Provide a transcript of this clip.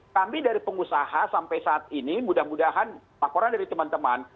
kami dari pengusaha sampai saat ini mudah mudahan laporan dari teman teman